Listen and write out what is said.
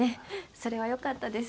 それはよかったです。